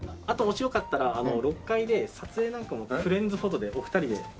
あともしよかったら６階で撮影なんかもフレンズフォトでお二人で。